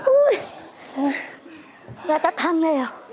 อุ๊ยอยากจะทั้งได้เหรอ